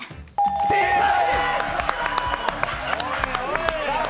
正解！